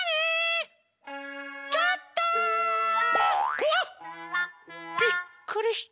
うわっびっくりした。